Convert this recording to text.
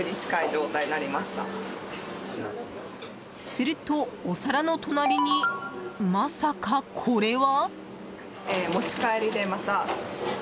すると、お皿の隣にまさか、これは。